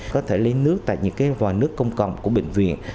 có thể lấy nước tại những vòi nước công cộng của bệnh viện